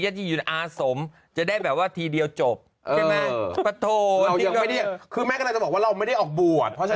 จะยืนอาสมจะได้แบบว่าทีเดียวจบเออไม่ได้ออกบวชเพราะ